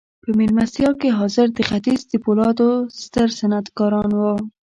په مېلمستیا کې حاضر د ختیځ د پولادو ستر صنعتکاران وو